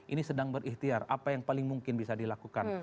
ini sedang berikhtiar apa yang paling mungkin bisa dilakukan